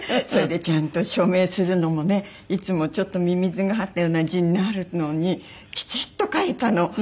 それでちゃんと署名するのもねいつもミミズがはったような字になるのにきちっと書いたの。